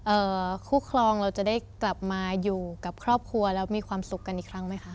คู่ครองเราจะได้กลับมาอยู่กับครอบครัวแล้วมีความสุขกันอีกครั้งไหมคะ